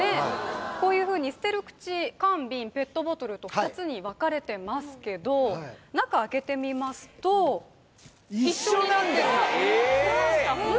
こういうふうに捨てる口「カン・ビン」「ペットボトル」と２つに分かれてますけど中開けてみますと一緒になってるんですえっ